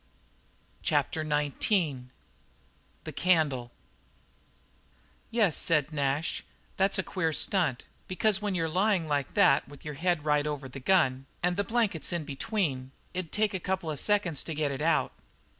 CHAPTER XIX THE CANDLE "Yes," said Nash, "that's a queer stunt, because when you're lyin' like that with your head right over the gun and the blankets in between, it'd take you a couple of seconds to get it out."